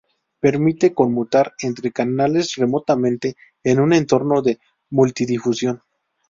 Permite conmutar entre canales remotamente en un entorno de multidifusión.